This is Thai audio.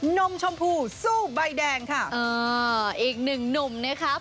นมชมพูสู้ใบแดงค่ะเอออีกหนึ่งหนุ่มนะครับ